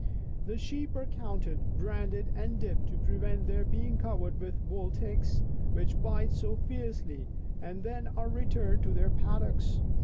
The sheep are counted, branded and dipped to prevent their being covered with wood ticks, which bite so fiercely, and then are returned to their paddocks.